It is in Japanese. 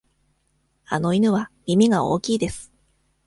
あの犬は耳が大きいです。